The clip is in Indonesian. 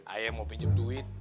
ayah mau pinjem duit